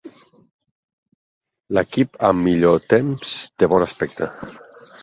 L'equip amb millor temps té bon aspecte.